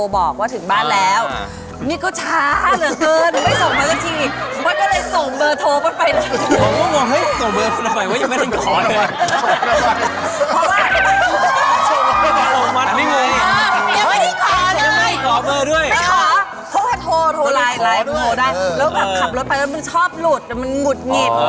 ก็ขับรถไปแล้วมันชอบหลุดมันหงุดหงิด